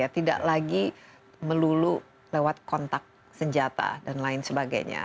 tidak lagi melulu lewat kontak senjata dan lain sebagainya